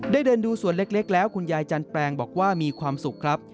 เดินดูส่วนเล็กแล้วคุณยายจันแปลงบอกว่ามีความสุขครับ